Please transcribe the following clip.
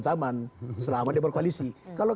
zaman selama diperkoalisi kalau